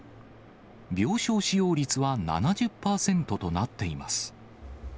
病床使用率は７０％となっています。